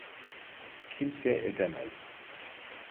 Kimse edemez.